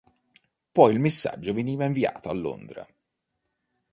Poi il messaggio veniva inviato a Londra.